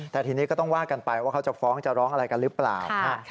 แต่ทีนี้ก็ต้องว่ากันไปว่าเขาจะฟ้องจะร้องอะไรกันหรือเปล่า